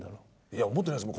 いや思ってないです。